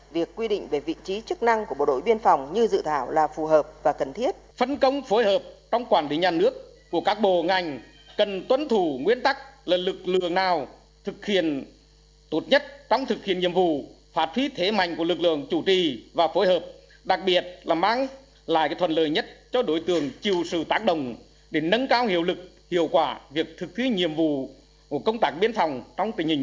việc quy định về vị trí chức năng của bộ đội biên phòng như dự thảo là phù hợp và cần thiết